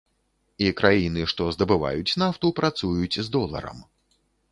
І краіны, што здабываюць нафту, працуюць з доларам.